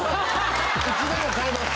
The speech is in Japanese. いつでも買えます。